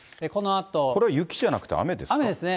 これは雪じゃなくて雨ですか。